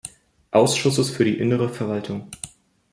Ausschusses für die innere Verwaltung.